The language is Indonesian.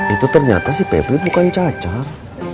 itu ternyata si pepri bukan cacar